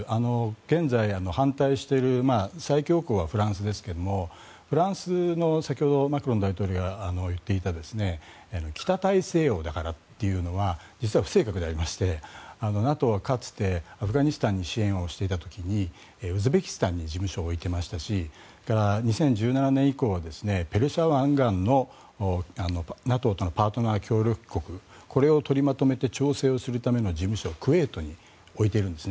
現在、反対している最強国はフランスの先ほどマクロン大統領が言っていた北大西洋だからというのは実際には不正確でありましてＮＡＴＯはかつてアフガニスタンに支援をしていた時ウズベキスタンに事務所を置いていましたし２０１７年以降はペルシャ湾岸のＮＡＴＯとのパートナー協力国これを取りまとめて調整をするための事務所をクウェートに置いているんです。